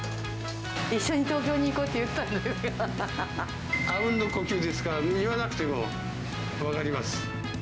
一緒に東京に行こうって言っあうんの呼吸ですから、言わなくても分かります。